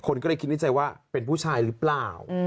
คนก็เลยคิดในใจว่าเป็นผู้ชายหรือเปล่า